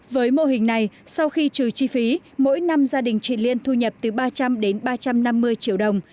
với mô hình này sau khi trừ chi phí mỗi năm gia đình chị liên thu nhập từ ba trăm linh đến ba trăm năm mươi triệu đồng